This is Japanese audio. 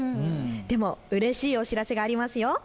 でもうれしいお知らせがありますよ。